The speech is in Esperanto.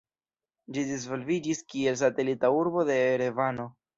Ĝi disvolviĝis kiel satelita urbo de Erevano.